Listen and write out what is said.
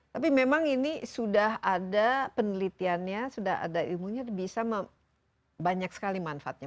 tapi memang ini sudah ada penelitiannya sudah ada ilmunya bisa banyak sekali manfaatnya